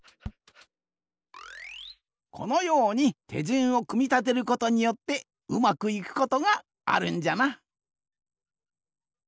このようにてじゅんをくみたてることによってうまくいくことがあるんじゃな。